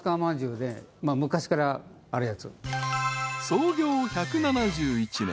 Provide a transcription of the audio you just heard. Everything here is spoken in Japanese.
［創業１７１年。